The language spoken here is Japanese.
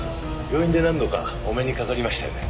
病院で何度かお目にかかりましたよね？